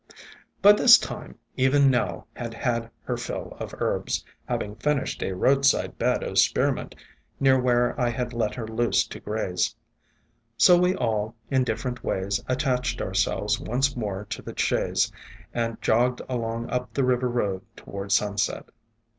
By this time even Nell had had her fill of herbs, having finished a roadside bed of Spearmint, near where I had let her loose to graze. So we all, in different ways, attached ourselves once more to the chaise, and jogged along up the river road toward sunset.